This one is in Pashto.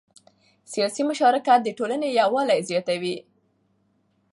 سیاسي مشارکت د ټولنې یووالی زیاتوي